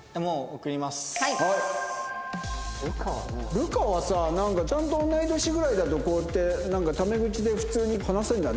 流佳はさなんかちゃんと同い年ぐらいだとこうやってなんかタメ口で普通に話せるんだね。